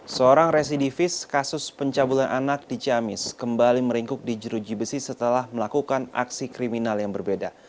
seorang residivis kasus pencabulan anak di ciamis kembali meringkuk di jeruji besi setelah melakukan aksi kriminal yang berbeda